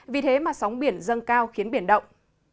vì thế mà sóng biển dâng cao khiến biển động